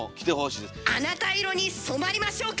あなた色に染まりましょうか？